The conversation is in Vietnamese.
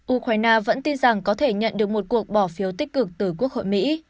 ukraine vẫn tin rằng có thể nhận được một cuộc bỏ phiếu tích cực từ quốc hội mỹ